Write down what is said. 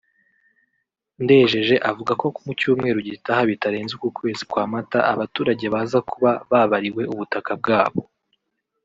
Ndejeje Avuga ko mu cyumweru gitaha bitarenze uku kwezi kwa Mata abaturage baza kuba babariwe ubutaka bwabo